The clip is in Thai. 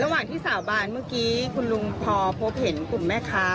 ระหว่างที่สาบานเมื่อกี้คุณลุงพอพบเห็นกลุ่มแม่ค้า